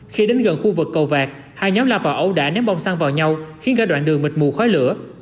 khi đến gần khu vực cầu vạt hai nhóm la vào ấu đã ném bông xăng vào nhau khiến cả đoạn đường mịt mù khói lửa